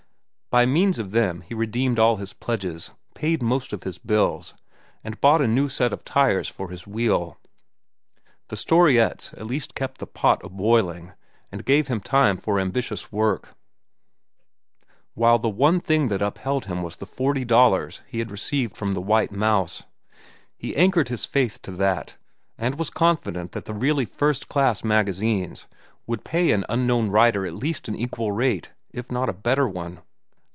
By means of them he redeemed all his pledges, paid most of his bills, and bought a new set of tires for his wheel. The storiettes at least kept the pot a boiling and gave him time for ambitious work; while the one thing that upheld him was the forty dollars he had received from The White Mouse. He anchored his faith to that, and was confident that the really first class magazines would pay an unknown writer at least an equal rate, if not a better one.